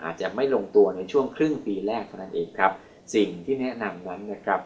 อาจจะไม่ลงตัวในช่วงครึ่งปีแรกเท่านั้นเองครับสิ่งที่แนะนำนั้นนะครับ